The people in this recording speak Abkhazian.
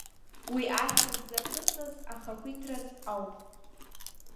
Уи ашәа ззаԥырҵаз ахақәиҭраз ауп.